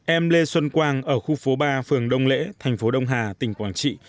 em lê xuân quang ở khu phố ba phường đông lễ thành phố đông hà tỉnh quảng trị